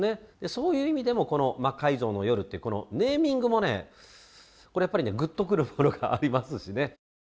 そういう意味でもこの「魔改造の夜」っていうこのネーミングもねこれやっぱりねぐっとくるものがありますしね。